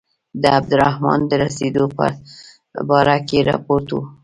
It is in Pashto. د عبدالرحمن خان د رسېدلو په باره کې رپوټ و.